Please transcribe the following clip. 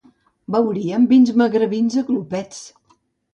Beuríem vins magrebins a glopets.